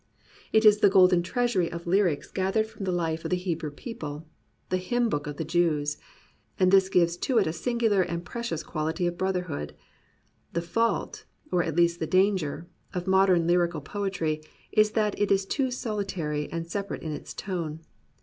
It is the golden treasury of lyrics gathered from the Ufe of the Hebrew people, the hymn book of the Jews. And this gives to it a singular and pre cious quality of brotherhood. The fault, or at least the danger, of modern lyrical poetry is that it is too solitary and separate in its tone.